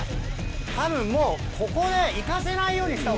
たぶんもうここで行かせないようにしたほうが。